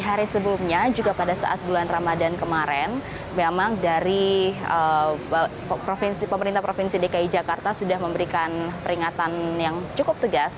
hari sebelumnya juga pada saat bulan ramadan kemarin memang dari pemerintah provinsi dki jakarta sudah memberikan peringatan yang cukup tegas